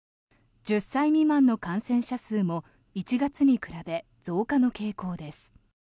１０歳未満の感染者数も１月に比べ増加の傾向です。